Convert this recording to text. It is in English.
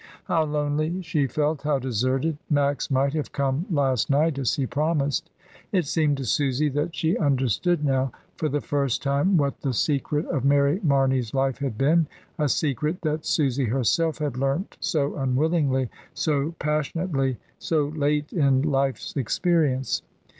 How lonelv she felt, how deserted. Max might have come last night, as he promised. It seemed to Susy that she understood now for the first time what the seaet of Mary Marney's life had been; a secret that Susy herself had learnt so unwillingly, so passionately, so late in life's experience.